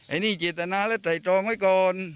ไอ้นี่เจตนาและไตรทรองไว้ก่อน